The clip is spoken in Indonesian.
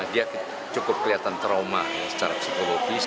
dia cukup kelihatan trauma secara psikologis